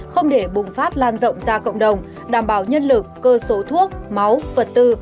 không để bùng phát lan rộng ra cộng đồng đảm bảo nhân lực cơ số thuốc máu vật tư